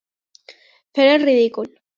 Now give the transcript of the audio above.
Fer el ridícul.